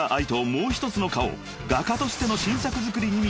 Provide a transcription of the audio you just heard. もう一つの顔画家としての新作作りに密着］